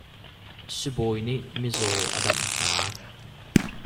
Sibawi nih mizaw a damh hna.